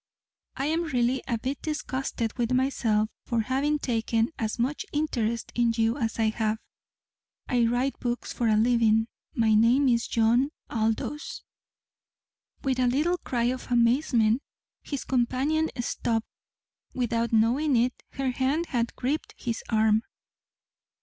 I'm really a bit disgusted with myself for having taken as much interest in you as I have. I write books for a living. My name is John Aldous." With a little cry of amazement, his companion stopped. Without knowing it, her hand had gripped his arm.